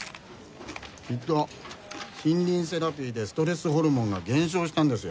きっと森林セラピーでストレスホルモンが減少したんですよ。